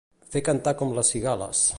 Fer cantar com les cigales.